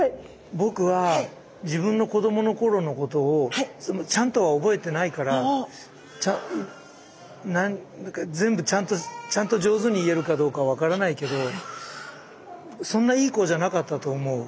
僕は自分の子どもの頃のことをちゃんとは覚えてないからちゃん全部ちゃんとちゃんと上手に言えるかどうかは分からないけどそんないい子じゃなかったと思う。